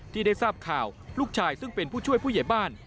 ที่ได้ทราบข่าวลูกชายซึ่งเป็นผู้ช่วยผู้ใหญ่บ้าน